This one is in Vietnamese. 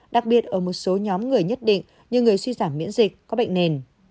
đặc biệt ở một số nhóm người nhất định như người suy giảm miễn dịch có bệnh nền